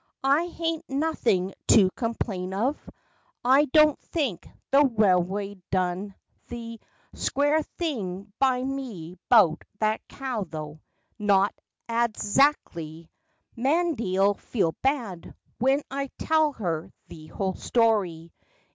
I haint nothin' to complain of! I don't think the railroad done the Squaar thing by me 'bout that cow, tho'! Not adzackly! 'Mandy 'll feel bad When I tell her the whole story.